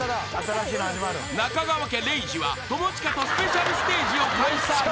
［中川家礼二は友近とスペシャルステージを開催］